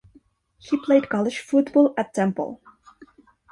He played college football at Temple.